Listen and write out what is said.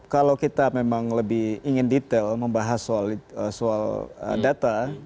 kalau kita memang lebih ingin detail membahas soal data